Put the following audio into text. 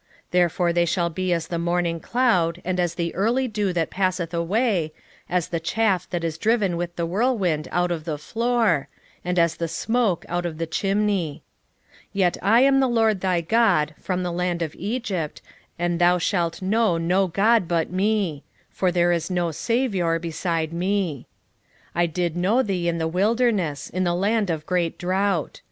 13:3 Therefore they shall be as the morning cloud and as the early dew that passeth away, as the chaff that is driven with the whirlwind out of the floor, and as the smoke out of the chimney. 13:4 Yet I am the LORD thy God from the land of Egypt, and thou shalt know no god but me: for there is no saviour beside me. 13:5 I did know thee in the wilderness, in the land of great drought.